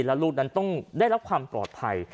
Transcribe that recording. แล้วลูกนั้นต้องได้รับความปลอดภัย